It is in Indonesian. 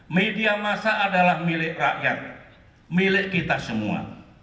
media masa adalah milik rakyat milik kita semua